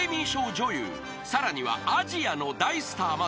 ［さらにはアジアの大スターまで］